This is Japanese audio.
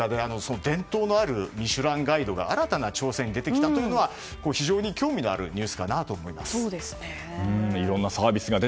こういった流れの中で伝統のある「ミシュランガイド」が新たな挑戦に出てきたというのは非常に興味があるニュースかなと思います。